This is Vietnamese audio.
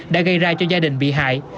đã gây ra cho gia đình bị hại